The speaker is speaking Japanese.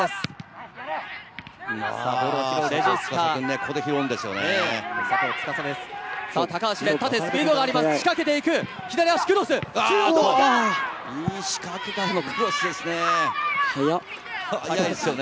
ここで拾うんですよね。